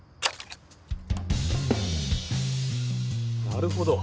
なるほど！